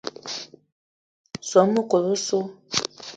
Soo mekol osso.